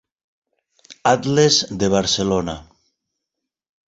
Atles de Barcelona.